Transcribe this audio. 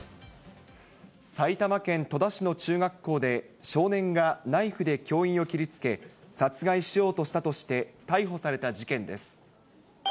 埼玉県戸田市の中学校で、少年がナイフで教員を切りつけ、殺害しようとしたとして逮捕された事件です。